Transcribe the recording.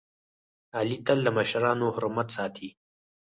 علي تل د مشرانو حرمت ساتي.